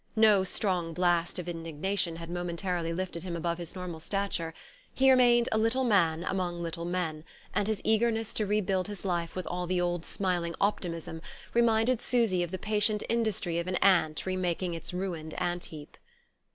No strong blast of indignation had momentarily lifted him above his normal stature: he remained a little man among little men, and his eagerness to rebuild his life with all the old smiling optimism reminded Susy of the patient industry of an ant remaking its ruined ant heap.